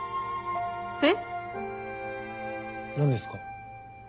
えっ⁉何ですか？